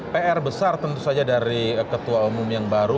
pr besar tentu saja dari ketua umum yang baru